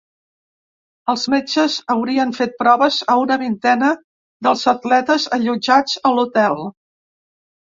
Els metges haurien fet proves a una vintena dels atletes allotjats a l’hotel.